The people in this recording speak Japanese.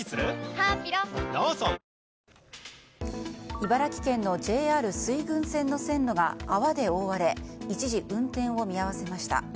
茨城県のＪＲ水郡線の線路が泡で覆われ一時運転を見合わせました。